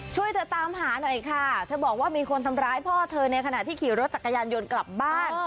ช่วยเธอตามหาหน่อยค่ะเธอบอกว่ามีคนทำร้ายพ่อเธอในขณะที่ขี่รถจักรยานยนต์กลับบ้าน